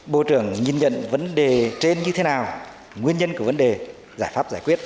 bộ trưởng nhìn nhận vấn đề trên như thế nào nguyên nhân của vấn đề giải pháp giải quyết